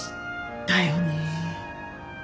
だよね。